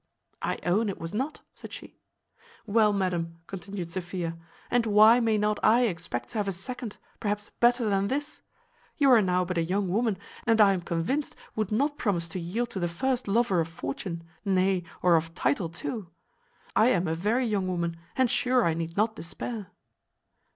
"I own it was not," said she. "Well, madam," continued Sophia, "and why may not I expect to have a second, perhaps, better than this? You are now but a young woman, and I am convinced would not promise to yield to the first lover of fortune, nay, or of title too. I am a very young woman, and sure I need not despair."